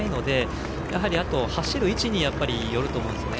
あとは走る位置によると思うんですよね。